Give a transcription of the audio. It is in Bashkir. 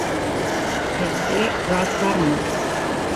Һеҙҙә газ бармы?